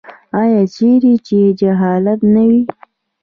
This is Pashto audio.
آیا چیرې چې جهالت نه وي؟